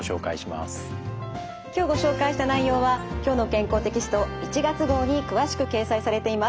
今日ご紹介した内容は「きょうの健康」テキスト１月号に詳しく掲載されています。